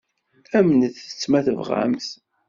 Amnemt-tt, ma tebɣamt.